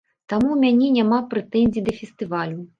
Таму ў мяне няма прэтэнзій да фестывалю.